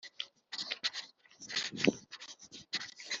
yomekaho imbaho z’imyerezi uhereye hasi ukageza ku gisenge